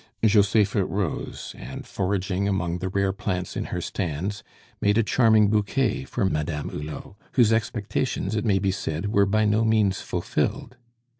Josepha rose, and foraging among the rare plants in her stands, made a charming bouquet for Madame Hulot, whose expectations, it may be said, were by no means fulfilled.